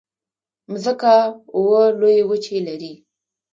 مځکه اوه لویې وچې لري.